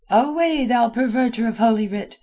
"Away, thou perverter of Holy Writ!